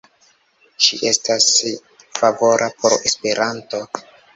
Ŝi estas favora por Esperanto.